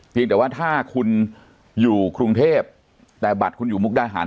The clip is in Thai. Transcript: แต่ว่าถ้าคุณอยู่กรุงเทพแต่บัตรคุณอยู่มุกดาหาร